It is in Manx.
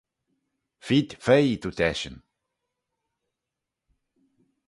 Feed feiy, dooyrt eshyn.